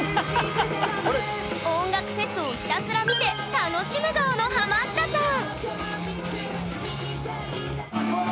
音楽フェスをひたすら見て楽しむ側のハマったさん！